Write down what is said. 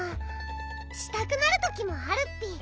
したくなるときもあるッピ。